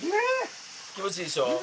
気持ちいいでしょ？